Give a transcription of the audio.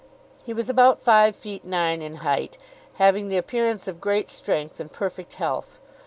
He was about five feet nine in height, having the appearance of great strength and perfect health.